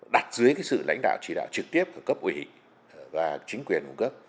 đặt dưới sự lãnh đạo chỉ đạo trực tiếp của cấp ủy và chính quyền cung cấp